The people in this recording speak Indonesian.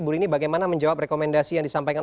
bu rini bagaimana menjawab rekomendasi yang disampaikan